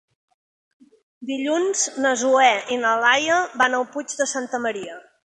Dilluns na Zoè i na Laia van al Puig de Santa Maria.